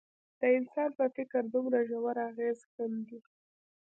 د انسان په فکر دومره ژور اغېز ښندي.